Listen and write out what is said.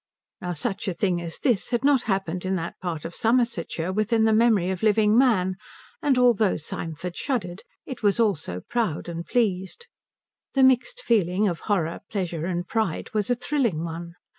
Now such a thing as this had not happened in that part of Somersetshire within the memory of living man, and though Symford shuddered it was also proud and pleased. The mixed feeling of horror, pleasure, and pride was a thrilling one.